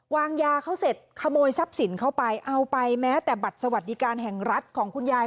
วางยาเขาเสร็จขโมยทรัพย์สินเข้าไปเอาไปแม้แต่บัตรสวัสดิการแห่งรัฐของคุณยาย